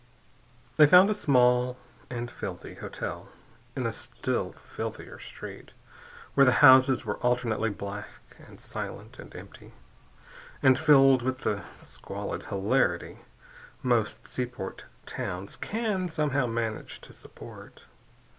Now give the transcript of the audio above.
They found a small and filthy hotel, in a still filthier street where the houses were alternately black and silent and empty, and filled with the squalid hilarity most seaport towns can somehow manage to support.